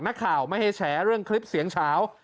นักข่าวไม่ให้แฉเรื่องคลิปเสียงเฉา